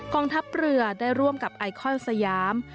งทัพเรือได้ร่วมกับไอคอนสยาม